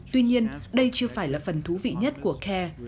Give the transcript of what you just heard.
tuy nhiên đây chưa phải là phần thú vị nhất của care